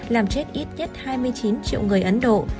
làm chết ít nhất hai mươi chín triệu người ấn độ